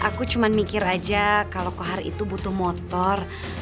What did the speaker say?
aku cuma mikir aja kalau kohar itu butuh motor